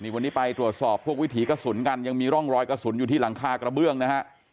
วันนี้ไปตรวจสอบพวกวิถีกระสุนกันยังมีร่องรอยกระสุนอยู่ที่หลังคากระเบื้องนะฮะ